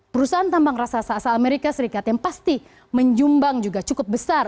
perusahaan tambang raksasa asal amerika serikat yang pasti menjumbang juga cukup besar